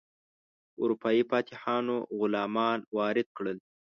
اروپایي فاتحانو غلامان وارد کړل.